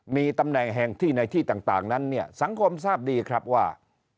มีตำแหน่งแห่งที่ในที่ต่างนั้นเนี่ยสังคมทราบดีครับว่า